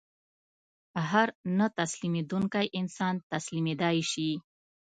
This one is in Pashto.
هر نه تسلیمېدونکی انسان تسلیمېدای شي